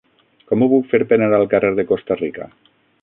Com ho puc fer per anar al carrer de Costa Rica?